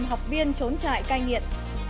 tìm học viên trốn trại cai nghiện